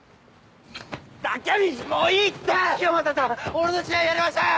俺の試合やりましょうよ！